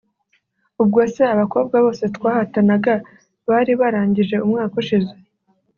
Ubwose abakobwa bose twahatanaga bari barangije umwaka ushize